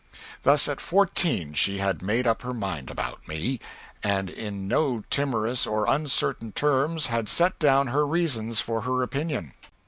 Thus at fourteen she had made up her mind about me, and in no timorous or uncertain terms had set down her reasons for her opinion.